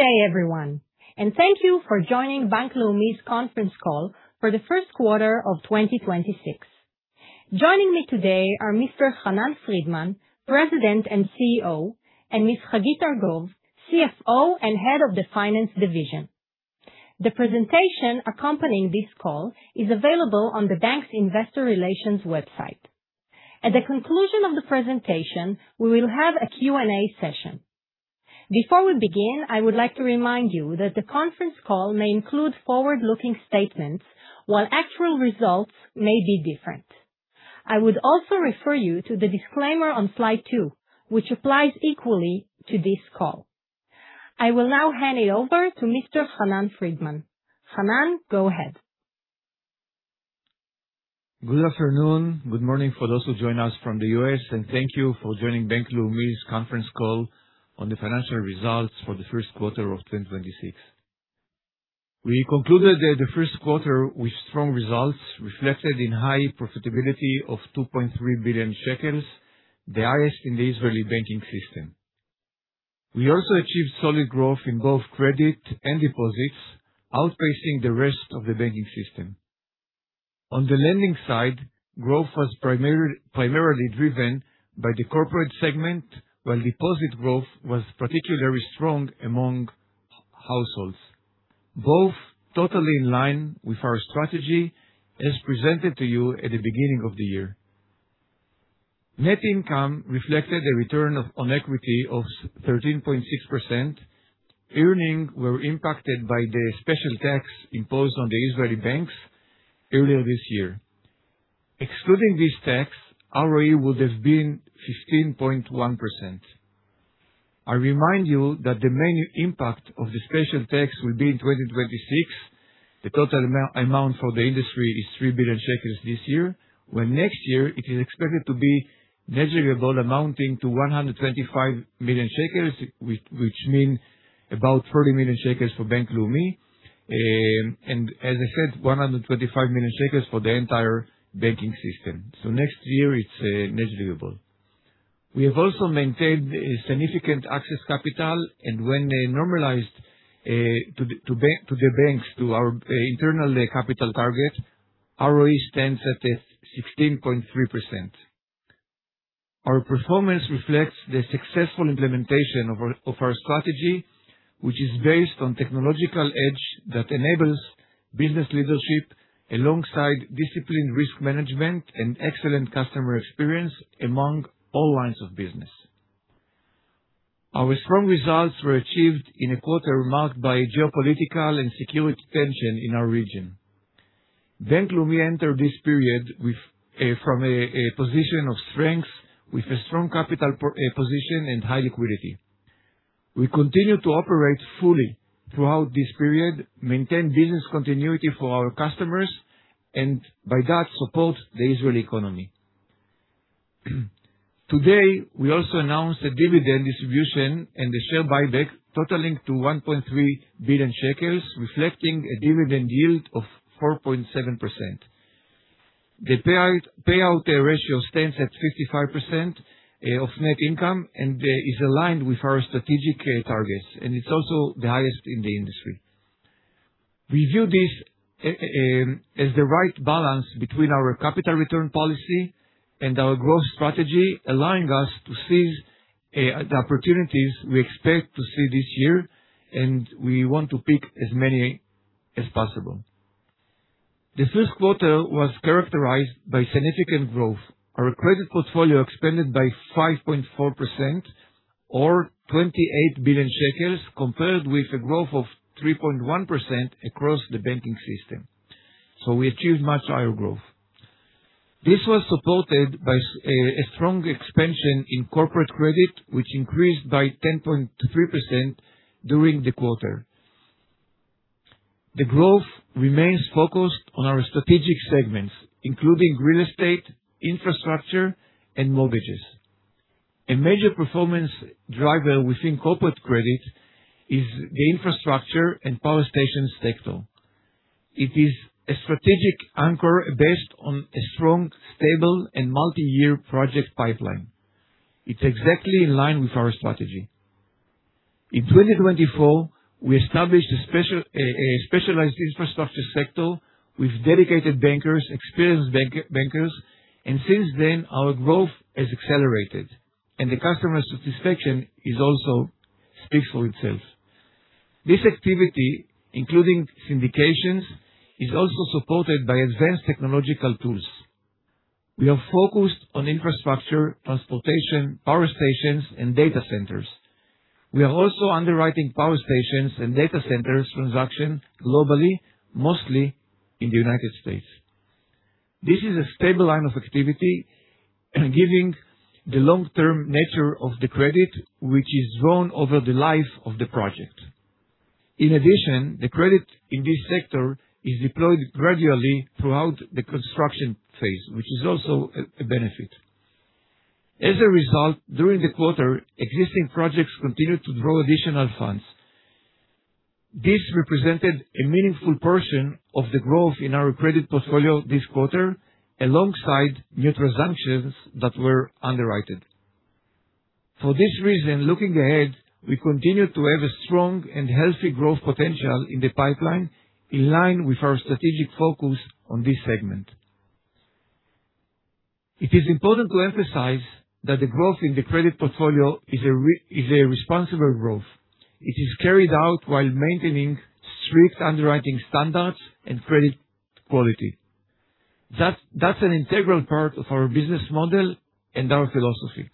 Good day everyone, thank you for joining Bank Leumi's conference call for the first quarter of 2026. Joining me today are Mr. Hanan Friedman, President and CEO, Miss Hagit Argov, CFO and Head of the Finance Division. The presentation accompanying this call is available on the bank's investor relations website. At the conclusion of the presentation, we will have a Q&A session. Before we begin, I would like to remind you that the conference call may include forward-looking statements, while actual results may be different. I would also refer you to the disclaimer on slide two, which applies equally to this call. I will now hand it over to Mr. Hanan Friedman. Hanan, go ahead. Good afternoon, good morning for those who join us from the U.S., and thank you for joining Bank Leumi's conference call on the financial results for the first quarter of 2026. We concluded the first quarter with strong results reflected in high profitability of 2.3 billion shekels, the highest in the Israeli banking system. We also achieved solid growth in both credit and deposits, outpacing the rest of the banking system. On the lending side, growth was primarily driven by the corporate segment, while deposit growth was particularly strong among households, both totally in line with our strategy as presented to you at the beginning of the year. Net income reflected a return on equity of 13.6%. Earnings were impacted by the special tax imposed on the Israeli banks earlier this year. Excluding this tax, ROE would have been 15.1%. I remind you that the main impact of the special tax will be in 2026. The total amount for the industry is 3 billion shekels this year, when next year it is expected to be negligible, amounting to 125 million shekels, which mean about 30 million shekels for Bank Leumi. As I said, 125 million shekels for the entire banking system. Next year it's negligible. We have also maintained a significant excess capital, and when normalized to the banks, to our internal capital target, ROE stands at a 16.3%. Our performance reflects the successful implementation of our strategy, which is based on technological edge that enables business leadership alongside disciplined risk management and excellent customer experience among all lines of business. Our strong results were achieved in a quarter marked by geopolitical and security tension in our region. Bank Leumi entered this period from a position of strength with a strong capital position and high liquidity. We continue to operate fully throughout this period, maintain business continuity for our customers, and by that, support the Israeli economy. Today, we also announced a dividend distribution and a share buyback totaling to 1.3 billion shekels, reflecting a dividend yield of 4.7%. The payout ratio stands at 55% of net income and is aligned with our strategic targets, and it's also the highest in the industry. We view this as the right balance between our capital return policy and our growth strategy, allowing us to seize the opportunities we expect to see this year, and we want to pick as many as possible. The first quarter was characterized by significant growth. Our credit portfolio expanded by 5.4% or 28 billion shekels, compared with a growth of 3.1% across the banking system. We achieved much higher growth. This was supported by a strong expansion in corporate credit, which increased by 10.3% during the quarter. The growth remains focused on our strategic segments, including real estate, infrastructure, and mortgages. A major performance driver within corporate credit is the infrastructure and power stations sector. It is a strategic anchor based on a strong, stable, and multi-year project pipeline. It's exactly in line with our strategy. In 2024, we established a specialized infrastructure sector with dedicated bankers, experienced bankers, and since then, our growth has accelerated, and the customer satisfaction is also speaks for itself. This activity, including syndications, is also supported by advanced technological tools. We are focused on infrastructure, transportation, power stations, and data centers. We are also underwriting power stations and data centers transaction globally, mostly in the U.S. This is a stable line of activity, giving the long-term nature of the credit, which is drawn over the life of the project. In addition, the credit in this sector is deployed gradually throughout the construction phase, which is also a benefit. As a result, during the quarter, existing projects continued to draw additional funds. This represented a meaningful portion of the growth in our credit portfolio this quarter, alongside new transactions that were underwritten. For this reason, looking ahead, we continue to have a strong and healthy growth potential in the pipeline, in line with our strategic focus on this segment. It is important to emphasize that the growth in the credit portfolio is a responsible growth. It is carried out while maintaining strict underwriting standards and credit quality. That's an integral part of our business model and our philosophy.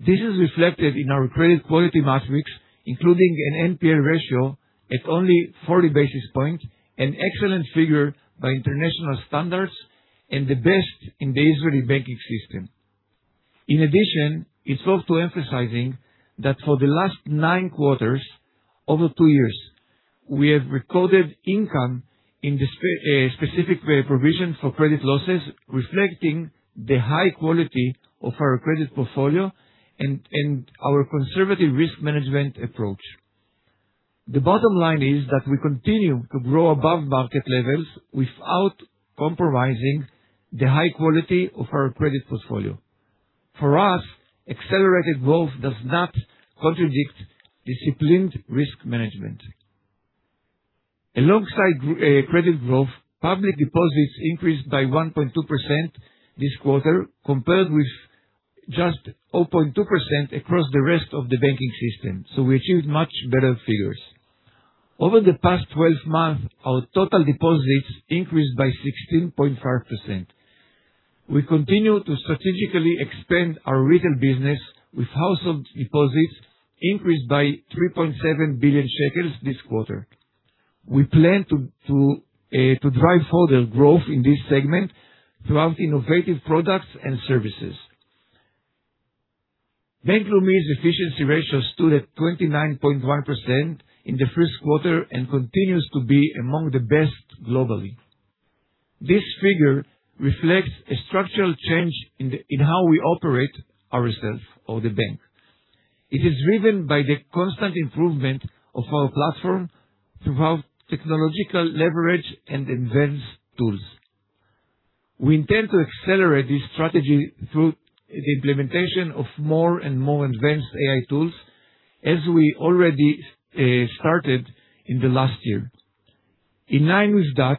This is reflected in our credit quality metrics, including an NPL ratio at only 40 basis points, an excellent figure by international standards, and the best in the Israeli banking system. In addition, it's worth to emphasizing that for the last nine quarters, over two years, we have recorded income in the specific provision for credit losses, reflecting the high quality of our credit portfolio and our conservative risk management approach. The bottom line is that we continue to grow above market levels without compromising the high quality of our credit portfolio. For us, accelerated growth does not contradict disciplined risk management. Alongside credit growth, public deposits increased by 1.2% this quarter, compared with just 0.2% across the rest of the banking system. We achieved much better figures. Over the past 12 months, our total deposits increased by 16.5%. We continue to strategically expand our retail business with household deposits increased by 3.7 billion shekels this quarter. We plan to drive further growth in this segment throughout innovative products and services. Bank Leumi's efficiency ratio stood at 29.1% in the first quarter and continues to be among the best globally. This figure reflects a structural change in how we operate ourselves or the bank. It is driven by the constant improvement of our platform throughout technological leverage and advanced tools. We intend to accelerate this strategy through the implementation of more and more advanced AI tools, as we already started in the last year. In line with that,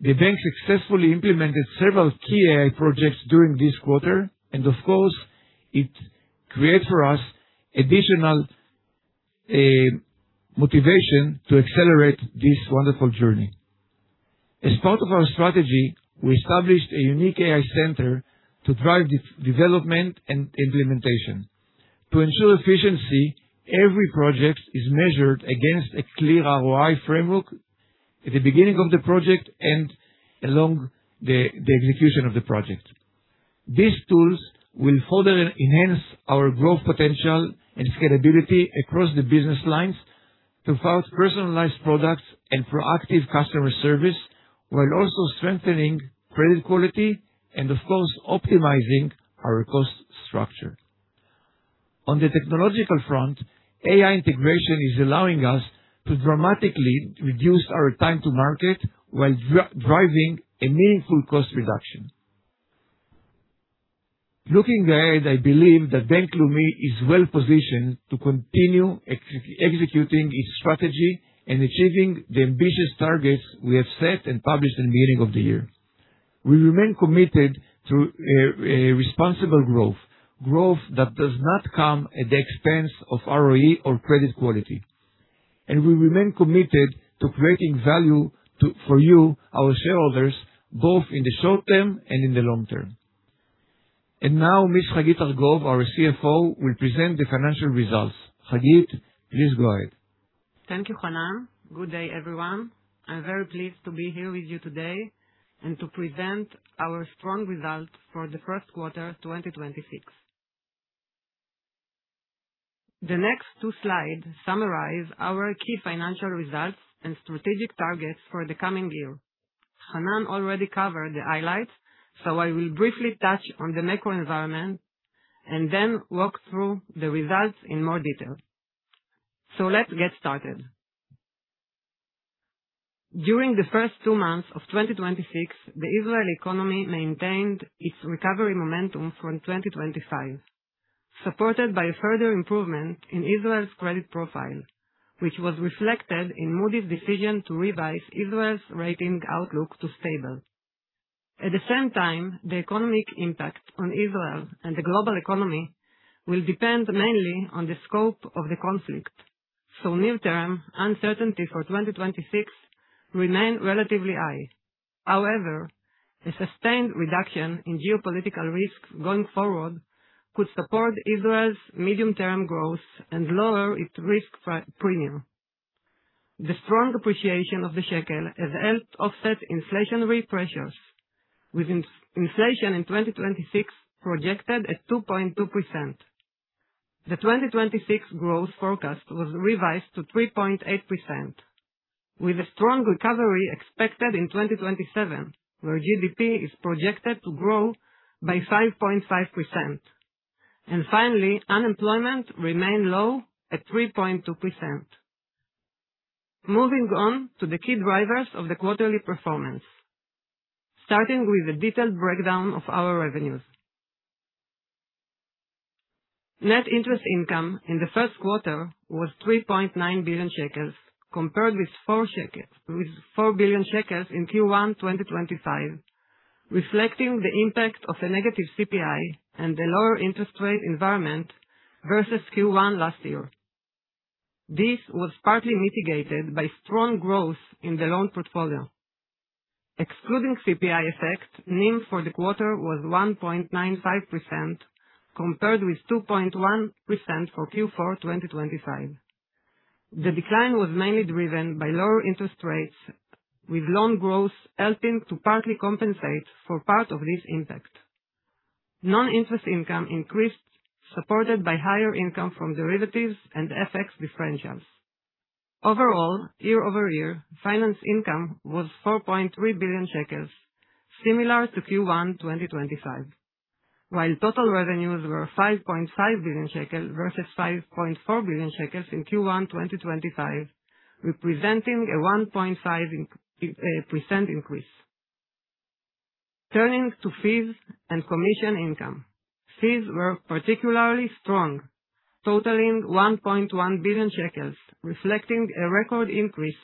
the bank successfully implemented several key AI projects during this quarter, and of course, it creates for us additional motivation to accelerate this wonderful journey. As part of our strategy, we established a unique AI center to drive development and implementation. To ensure efficiency, every project is measured against a clear ROI framework at the beginning of the project and along the execution of the project. These tools will further enhance our growth potential and scalability across the business lines throughout personalized products and proactive customer service, while also strengthening credit quality and, of course, optimizing our cost structure. On the technological front, AI integration is allowing us to dramatically reduce our time to market while driving a meaningful cost reduction. Looking ahead, I believe that Bank Leumi is well-positioned to continue executing its strategy and achieving the ambitious targets we have set and published in the beginning of the year. We remain committed to a responsible growth that does not come at the expense of ROE or credit quality. We remain committed to creating value for you, our shareholders, both in the short term and in the long term. Now, Miss Hagit Argov, our CFO, will present the financial results. Hagit, please go ahead. Thank you, Hanan. Good day, everyone. I'm very pleased to be here with you today and to present our strong results for the first quarter, 2026. The next two slides summarize our key financial results and strategic targets for the coming year. Hanan already covered the highlights. I will briefly touch on the macro environment and then walk through the results in more detail. Let's get started. During the first two months of 2026, the Israel economy maintained its recovery momentum from 2025, supported by further improvement in Israel's credit profile, which was reflected in Moody's decision to revise Israel's rating outlook to stable. At the same time, the economic impact on Israel and the global economy will depend mainly on the scope of the conflict, so near-term uncertainty for 2026 remain relatively high. However, a sustained reduction in geopolitical risk going forward could support Israel's medium-term growth and lower its risk pre-premium. The strong appreciation of the shekel has helped offset inflationary pressures, with inflation in 2026 projected at 2.2%. The 2026 growth forecast was revised to 3.8%. With a strong recovery expected in 2027, where GDP is projected to grow by 5.5%. Finally, unemployment remained low at 3.2%. Moving on to the key drivers of the quarterly performance, starting with a detailed breakdown of our revenues. Net interest income in the first quarter was 3.9 billion shekels, compared with 4 billion shekels in Q1 2025, reflecting the impact of a negative CPI and the lower interest rate environment versus Q1 last year. This was partly mitigated by strong growth in the loan portfolio. Excluding CPI effect, NIM for the quarter was 1.95%, compared with 2.1% for Q4 2025. The decline was mainly driven by lower interest rates, with loan growth helping to partly compensate for part of this impact. Non-interest income increased, supported by higher income from derivatives and FX differentials. Overall, year-over-year finance income was 4.3 billion shekels, similar to Q1 2025. Total revenues were 5.5 billion shekels versus 5.4 billion shekels in Q1 2025, representing a 1.5% increase. Turning to fees and commission income. Fees were particularly strong, totaling 1.1 billion shekels, reflecting a record increase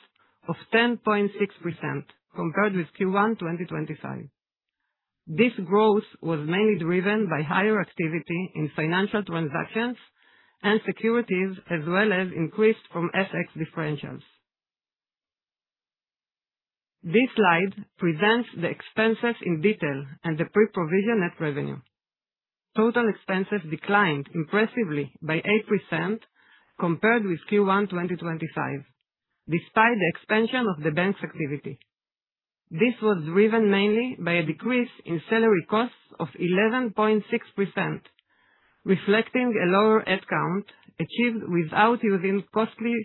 of 10.6% compared with Q1 2025. This growth was mainly driven by higher activity in financial transactions and securities, as well as increased from FX differentials. This slide presents the expenses in detail and the pre-provision net revenue. Total expenses declined impressively by 8% compared with Q1 2025, despite the expansion of the bank's activity. This was driven mainly by a decrease in salary costs of 11.6%, reflecting a lower head count achieved without using costly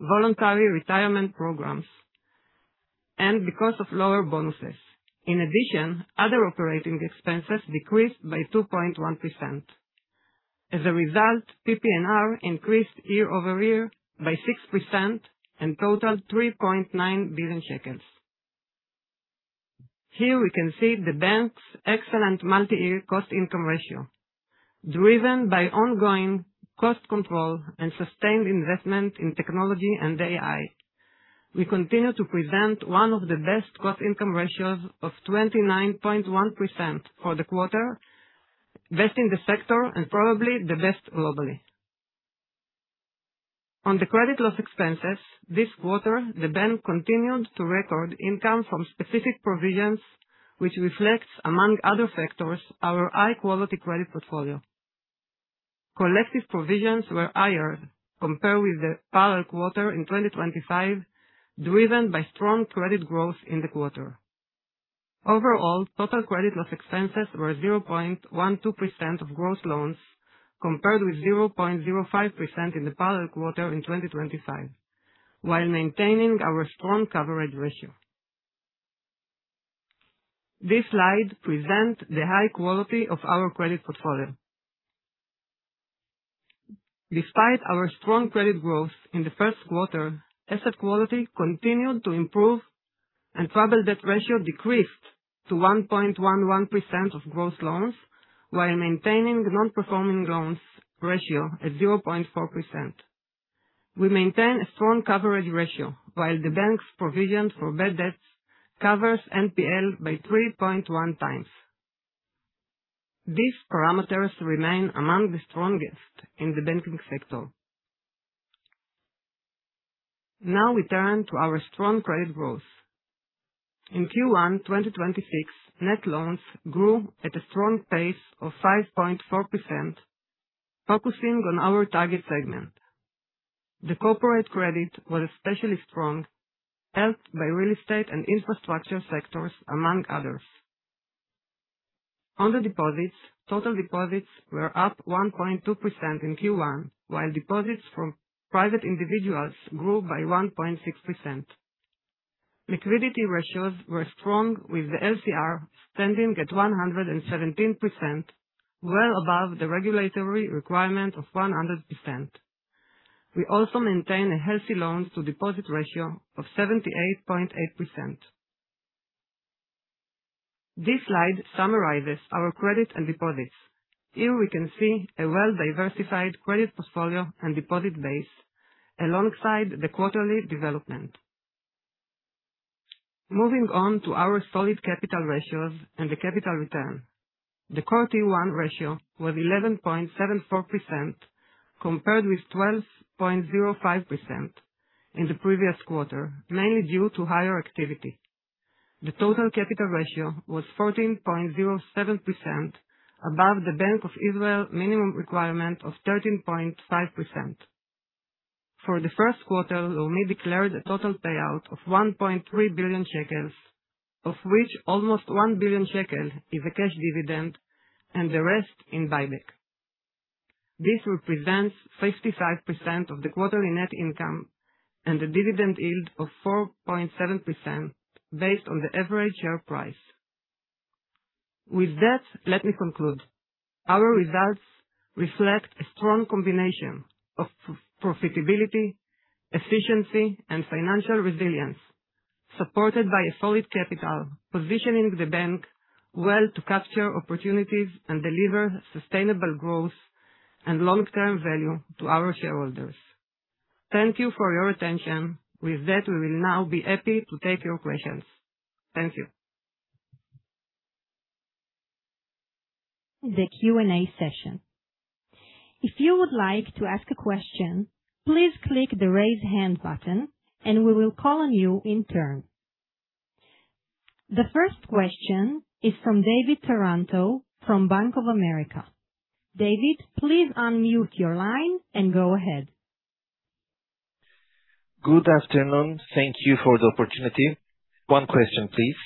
voluntary retirement programs, and because of lower bonuses. In addition, other operating expenses decreased by 2.1%. As a result, PPNR increased year-over-year by 6% and totaled 3.9 billion shekels. Here we can see the bank's excellent multi-year cost income ratio, driven by ongoing cost control and sustained investment in technology and AI. We continue to present one of the best cost income ratios of 29.1% for the quarter, best in the sector and probably the best globally. On the credit loss expenses this quarter, the bank continued to record income from specific provisions, which reflects, among other factors, our high-quality credit portfolio. Collective provisions were higher compared with the prior quarter in 2025, driven by strong credit growth in the quarter. Overall, total credit loss expenses were 0.12% of gross loans, compared with 0.05% in the prior quarter in 2025, while maintaining our strong coverage ratio. This slide present the high quality of our credit portfolio. Despite our strong credit growth in the first quarter, asset quality continued to improve and trouble debt ratio decreased to 1.11% of gross loans while maintaining non-performing loans ratio at 0.4%. We maintain a strong coverage ratio, while the bank's provision for bad debts covers NPL by 3.1 times. These parameters remain among the strongest in the banking sector. Now we turn to our strong credit growth. In Q1 2026, net loans grew at a strong pace of 5.4%, focusing on our target segment. The corporate credit was especially strong, helped by real estate and infrastructure sectors, among others. On the deposits, total deposits were up 1.2% in Q1, while deposits from private individuals grew by 1.6%. Liquidity ratios were strong, with the LCR standing at 117%, well above the regulatory requirement of 100%. We also maintain a healthy loans to deposit ratio of 78.8%. This slide summarizes our credit and deposits. Here we can see a well-diversified credit portfolio and deposit base alongside the quarterly development. Moving on to our solid capital ratios and the capital return. The Core Tier 1 ratio was 11.74% compared with 12.05% in the previous quarter, mainly due to higher activity. The total capital ratio was 14.07% above the Bank of Israel minimum requirement of 13.5%. For the first quarter, Leumi declared a total payout of 1.3 billion shekels, of which almost 1 billion shekel is a cash dividend and the rest in buyback. This represents 55% of the quarterly net income and the dividend yield of 4.7% based on the average share price. With that, let me conclude. Our results reflect a strong combination of profitability, efficiency, and financial resilience, supported by a solid capital, positioning the bank well to capture opportunities and deliver sustainable growth and long-term value to our shareholders. Thank you for your attention. With that, we will now be happy to take your questions. Thank you. The Q&A session. If you would like to ask a question, please click the Raise Hand button and we will call on you in turn. The first question is from David Taranto from Bank of America. David, please unmute your line and go ahead. Good afternoon. Thank you for the opportunity. One question, please.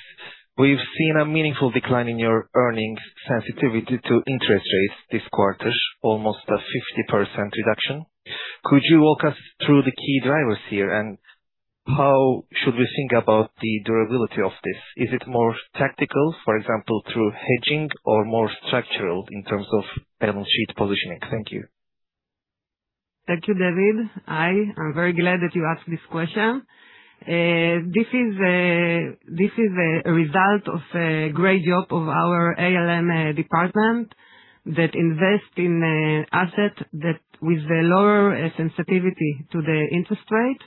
We've seen a meaningful decline in your earnings sensitivity to interest rates this quarter, almost a 50% reduction. Could you walk us through the key drivers here, and how should we think about the durability of this? Is it more tactical, for example, through hedging or more structural in terms of balance sheet positioning? Thank you. Thank you, David. I am very glad that you asked this question. This is a result of a great job of our ALM department that invest in asset that with the lower sensitivity to the interest rate,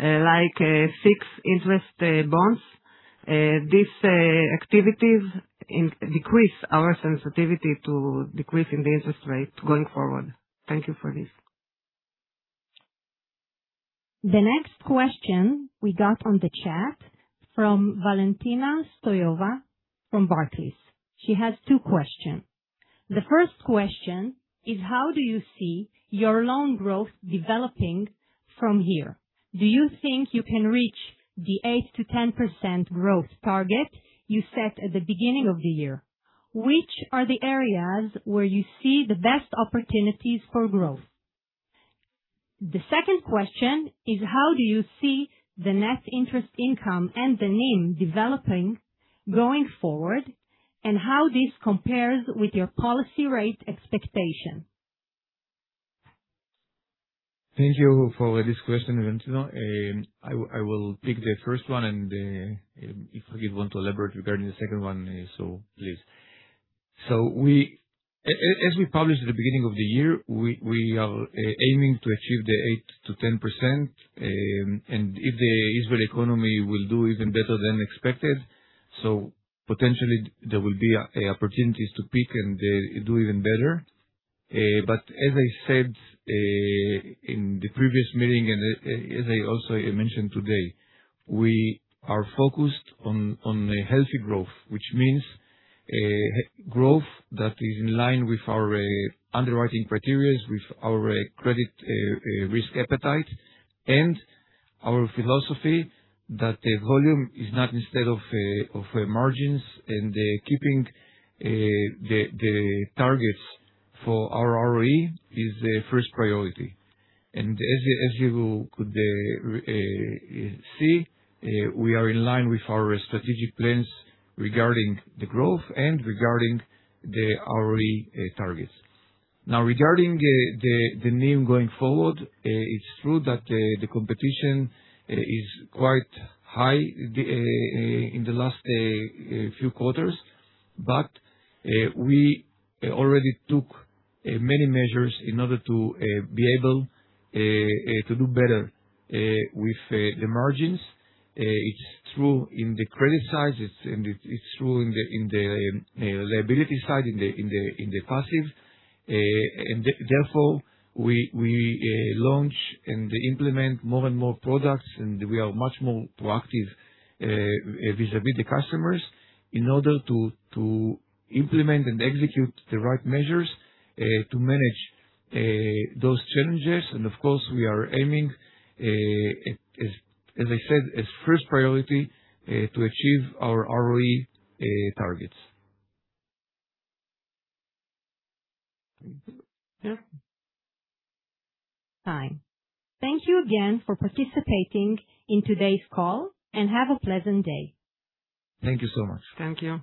like fixed-interest bonds. These activities in decrease our sensitivity to decrease in the interest rate going forward. Thank you for this. The next question we got on the chat from Valentina Stoyanova from Barclays. She has two question. The first question is, how do you see your loan growth developing from here? Do you think you can reach the 8%-10% growth target you set at the beginning of the year? Which are the areas where you see the best opportunities for growth? The second question is how do you see the net interest income and the NIM developing going forward, and how this compares with your policy rate expectation? Thank you for this question, Valentina. I will take the first one and, if Idit want to elaborate regarding the second one, please. As we published at the beginning of the year, we are aiming to achieve the 8%-10%, and if the Israeli economy will do even better than expected, potentially there will be opportunities to peak and do even better. As I said in the previous meeting, as I also mentioned today, we are focused on a healthy growth, which means growth that is in line with our underwriting criteria, with our credit risk appetite, and our philosophy that the volume is not instead of margins and keeping the targets for our ROE is the first priority. As you could see, we are in line with our strategic plans regarding the growth and regarding the ROE targets. Now, regarding the NIM going forward, it's true that the competition is quite high in the last few quarters, but we already took many measures in order to be able to do better with the margins. It's true in the credit side, and it's true in the liability side, in the passive. Therefore, we launch and implement more and more products, and we are much more proactive vis-a-vis the customers in order to implement and execute the right measures to manage those challenges. Of course, we are aiming, as I said, as first priority, to achieve our ROE targets. Yeah. Thank you again for participating in today's call, and have a pleasant day. Thank you so much. Thank you.